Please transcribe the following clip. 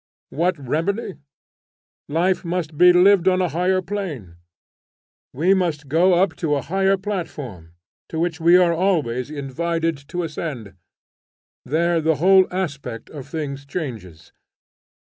What remedy? Life must be lived on a higher plane. We must go up to a higher platform, to which we are always invited to ascend; there, the whole aspect of things changes.